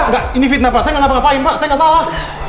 enggak pak ini fitnah pak saya enggak ngapa ngapain pak saya enggak salah